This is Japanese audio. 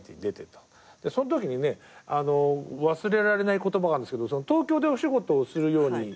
そのときにね忘れられない言葉があるんですけど東京でお仕事をするようになる。